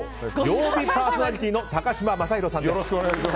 曜日パーソナリティーの高嶋政宏さんです。